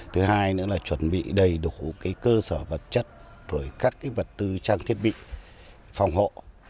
thứ hai nữa là chuẩn bị đầy đủ cơ sở vật chất rồi các vật tư trang thiết bị phòng hộ